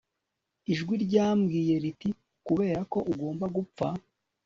ijwi ryambwiye riti kubera ko ugomba gupfa